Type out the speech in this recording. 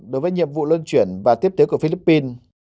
đối với nhiệm vụ lươn chuyển và tiếp tiếu của philippines